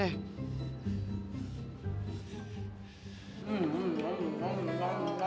aduh kori mana ya